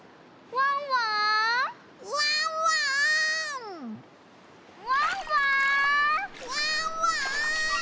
ワンワーン！